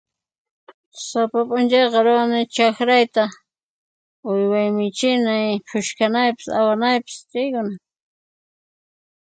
Sapa p'unchayqa ruwani chaqrayta, uywa michinay phuchkanaypaq awanaypaq chayllan.